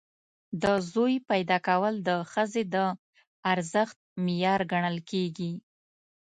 د زوی پیدا کول د ښځې د ارزښت معیار ګڼل کېږي.